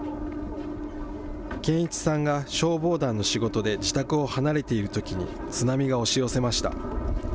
堅一さんが消防団の仕事で自宅を離れているときに、津波が押し寄せました。